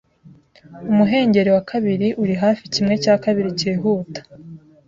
Umuhengeri wa kabiri uri hafi kimwe cya kabiri cyihuta